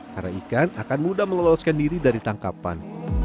karena ikan akan mudah meloloskan diri dari tangkapan